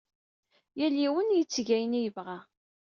Yal yiwen yetteg ayen ay yebɣa.